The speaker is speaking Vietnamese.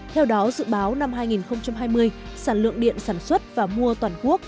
theo đó dự báo năm hai nghìn hai mươi sản lượng điện sản xuất và mua toàn quốc